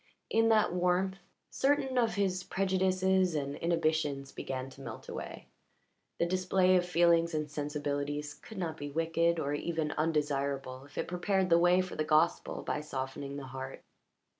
In that warmth certain of his prejudices and inhibitions began to melt away; the display of feelings and sensibilities could not be wicked or even undesirable if it prepared the way for the gospel by softening the heart.